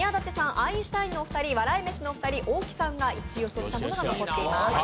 アインシュタインのお二人大木さんが１位予想したものが残っています。